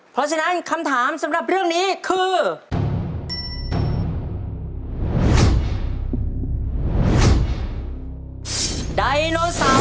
เพราะฉะนั้นคำถามสำหรับเรื่องนี้คือ